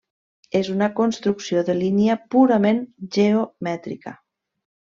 És una construcció de línia purament geomètrica.